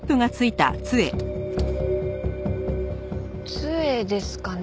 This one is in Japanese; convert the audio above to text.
杖ですかね？